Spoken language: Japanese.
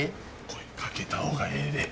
声掛けたほうがええで。